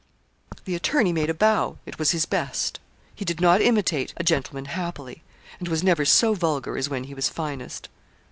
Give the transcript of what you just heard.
The attorney made a bow it was his best. He did not imitate a gentleman happily, and was never so vulgar as when he was finest.